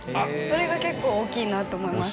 それが結構大きいなと思います。